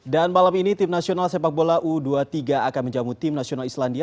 dan malam ini tim nasional sepak bola u dua puluh tiga akan menjamu tim nasional islandia